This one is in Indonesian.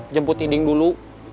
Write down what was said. jemput iding dulu